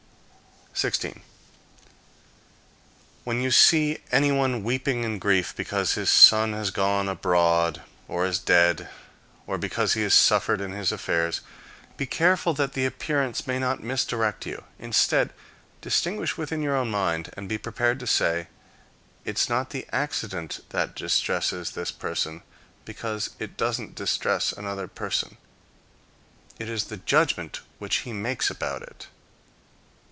16. When you see anyone weeping in grief because his son has gone abroad, or is dead, or because he has suffered in his affairs, be careful that the appearance may not misdirect you. Instead, distinguish within your own mind, and be prepared to say, "It's not the accident that distresses this person., because it doesn't distress another person; it is the judgment which he makes about it."